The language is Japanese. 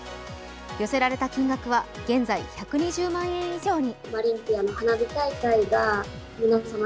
寄せられた金額は現在１２０万円以上に。